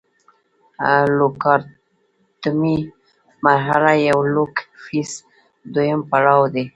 لوګارتمي مرحله یا لوګ فیز دویم پړاو دی.